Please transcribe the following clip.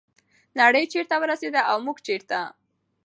نړۍ چیرته ورسیده او موږ چیرته؟